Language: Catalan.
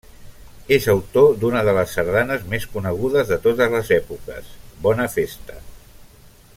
És autor d'una de les sardanes més conegudes de totes les èpoques, Bona Festa.